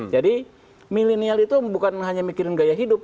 jadi milenial itu bukan hanya mikirin gaya hidup